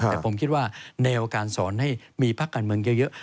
แต่ผมคิดว่าแนวการสอนให้มีพักการเมืองเยอะ